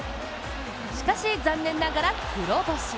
しかし、残念ながら黒星。